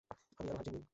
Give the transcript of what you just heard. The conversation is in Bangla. আমি আর ভার্জিন নই।